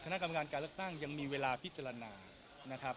คณะกรรมการการเลือกตั้งยังมีเวลาพิจารณานะครับ